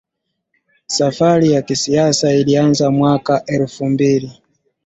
Safari yake kisiasa ilianzia mwaka elfu mbili